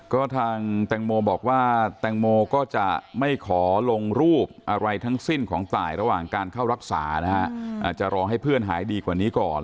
ก็ทางแตงโมบอกว่าแตงโมก็จะไม่ขอลงรูปอะไรทั้งสิ้นของตายระหว่างการเข้ารักษานะฮะอาจจะรอให้เพื่อนหายดีกว่านี้ก่อน